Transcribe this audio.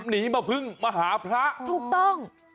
หนีมาพึ่งมาหาพระถูกต้อง